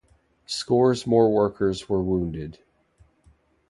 Scores more workers were wounded.